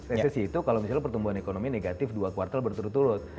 resesi itu kalau misalnya pertumbuhan ekonomi negatif dua kuartal berturut turut